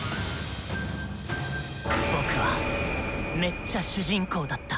僕はめっちゃ主人公だった。